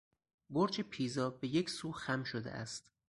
برج پیزا به یک سو خم شده است.